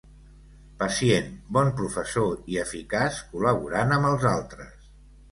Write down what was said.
Pacient, bon professor, i eficaç col·laborant amb els altres.